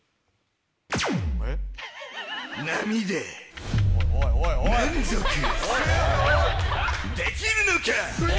並で満足できるのか？